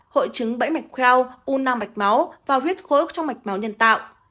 hội chứng bẫy mạch khoeo unang mạch máu và huyết khối trong mạch máu nhân tạo